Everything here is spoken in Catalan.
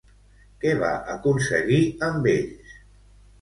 Què va aconseguir amb ells?